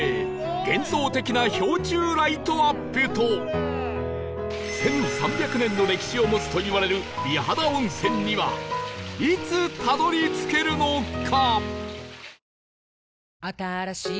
幻想的な氷柱ライトアップと１３００年の歴史を持つといわれる美肌温泉にはいつたどり着けるのか？